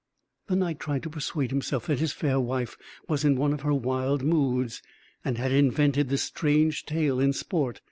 The Knight tried to persuade himself that his fair wife was in one of her wild moods, and had invented this strange tale in sport.